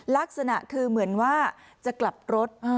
ไปดูกล้องมงจรปิด